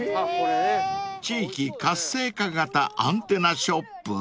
［地域活性化型アンテナショップ？］